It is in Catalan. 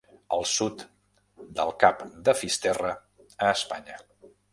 al sud del cap de Fisterra a Espanya.